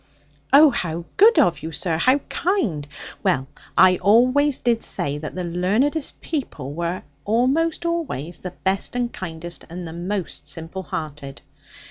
'Oh, how good of you, sir, how kind! Well, I always did say, that the learnedest people were, almost always, the best and kindest, and the most simple hearted.'